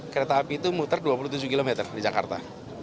kereta api itu muter dua puluh tujuh km di jakarta